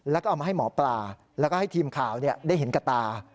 แล้วก็เอามาให้หมอปลาแล้วก็ให้ทีมข่าวได้เห็นกับตา